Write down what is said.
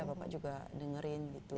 bapak juga dengerin gitu